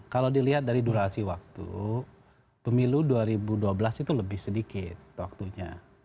kalau dilihat dari durasi waktu pemilu dua ribu dua belas itu lebih sedikit waktunya